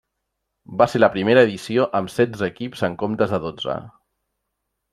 Va ser la primera edició amb setze equips en comptes de dotze.